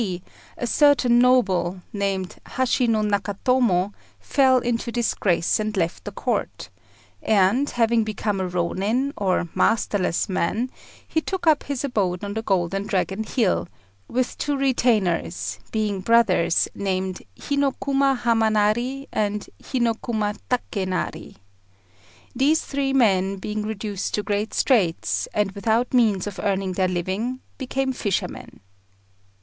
D., a certain noble, named Hashi no Nakatomo, fell into disgrace and left the Court; and having become a Rônin, or masterless man, he took up his abode on the Golden Dragon Hill, with two retainers, being brothers, named Hinokuma Hamanari and Hinokuma Takénari. These three men being reduced to great straits, and without means of earning their living, became fishermen.